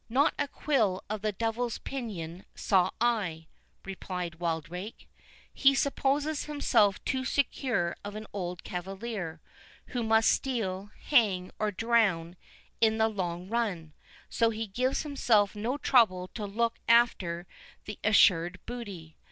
"Not a quill of the devil's pinion saw I," replied Wildrake. "He supposes himself too secure of an old cavalier, who must steal, hang, or drown, in the long run, so he gives himself no trouble to look after the assured booty.